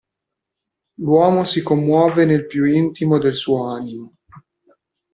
L'uomo si commuove nel più intimo del suo animo.